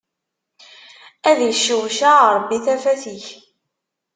Ad iccewceɛ Ṛebbi tafat ik.